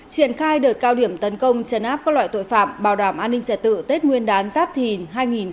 triển khai đợt cao điểm tấn công chấn áp các loại tội phạm bảo đảm an ninh trẻ tự tết nguyên đán giáp thìn hai nghìn hai mươi bốn